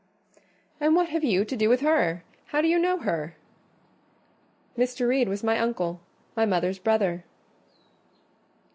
"And what have you to do with her? How do you know her?" "Mr. Reed was my uncle—my mother's brother."